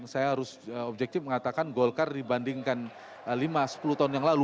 saya harus objektif mengatakan golkar dibandingkan lima sepuluh tahun yang lalu